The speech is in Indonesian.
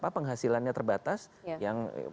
penghasilannya terbatas yang